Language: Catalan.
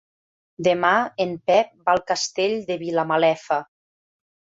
Demà en Pep va al Castell de Vilamalefa.